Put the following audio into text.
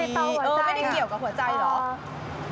ไม่ได้เกี่ยวกับหัวใจเหรอ